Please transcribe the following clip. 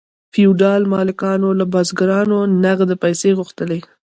فیوډال مالکانو له بزګرانو نغدې پیسې غوښتلې.